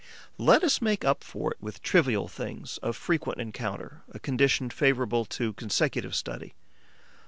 Let us make up for it with trivial things of frequent encounter, a condition favourable to consecutive study.